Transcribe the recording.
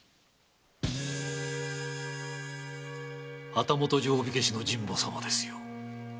旗本定火消しの神保様ですよ。